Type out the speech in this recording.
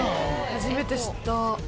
初めて知った。